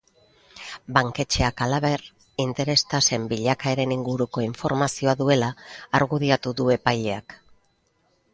Banketxeak halaber, interes tasen bilakaeren inguruko informazioa duela argudiatu du epaileak.